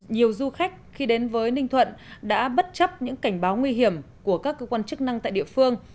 nhiều du khách khi đến với ninh thuận đã bất chấp những cảnh báo nguy hiểm của các cơ quan chức năng tại địa phương